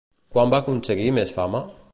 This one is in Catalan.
Quan va aconseguir més fama?